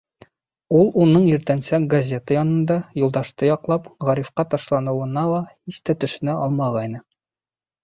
Ул уның иртәнсәк газета янында, Юлдашты яҡлап, Ғарифҡа ташланыуына ла һис тә төшөнә алмағайны.